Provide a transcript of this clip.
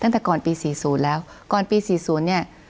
ตั้งแต่ก่อนปี๔๐แล้วก่อนปี๔๐เนี่ย